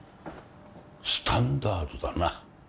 スタンダードだな。